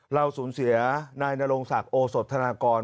เราสูญเสียนายนรงศักดิ์โอสธนากร